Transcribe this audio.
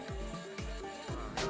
salah satunya homestay